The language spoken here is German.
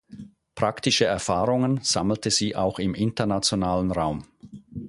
Praktische Erfahrungen sammelte sie auch im internationalen Raum.